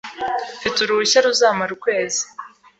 Mfite uruhushya ruzamara ukwezi?